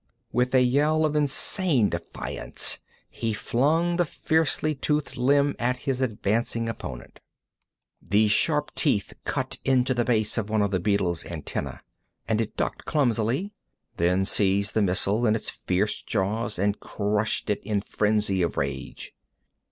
With a yell of insane defiance, he flung the fiercely toothed limb at his advancing opponent. The sharp teeth cut into the base of one of the beetle's antennæ, and it ducked clumsily, then seized the missile in its fierce jaws and crushed it in frenzy of rage.